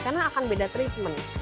karena akan beda treatment